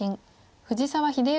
藤沢秀行